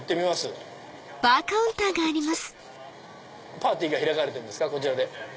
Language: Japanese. パーティーが開かれてるんですかこちらで。